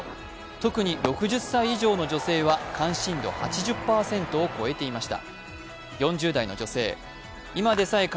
特に６０歳以上の女性は関心度８０％を超えていました。